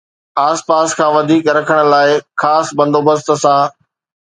آس پاس کان وڌيڪ رکڻ لاءِ خاص بندوبست سان